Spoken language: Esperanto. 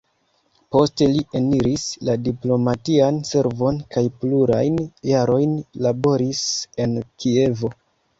Poste li eniris la diplomatian servon kaj plurajn jarojn laboris en Kievo.